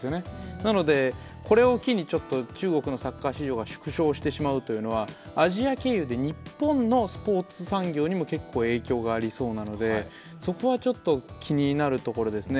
なので、これを機に中国のサッカー市場が縮小してしまうというのはアジア経由で日本のスポーツ産業にも結構影響がありそうなので、そこは気になるところですね。